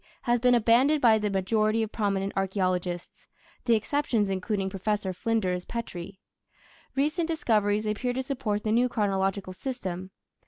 has been abandoned by the majority of prominent archaeologists, the exceptions including Professor Flinders Petrie. Recent discoveries appear to support the new chronological system.